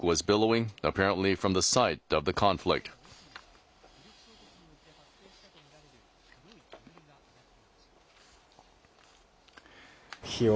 建物の奥には武力衝突によって発生したと見られる黒い煙が上がっていました。